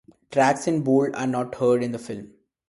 Tracks in bold are not heard in the film.